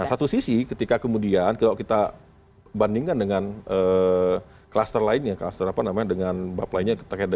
nah satu sisi ketika kemudian kalau kita bandingkan dengan kluster lainnya kluster apa namanya dengan bab lainnya terkait dengan